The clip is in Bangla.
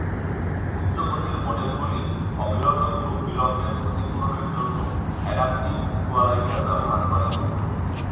উচ্চ গতির মোডেমগুলি অবিরত গ্রুপ বিলম্বের ক্ষতিপূরণের জন্য অ্যাডাপটিভ ইকুয়ালাইজার ব্যবহার করে।